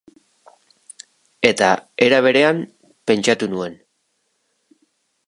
Eta era berean, pentsatu nuen.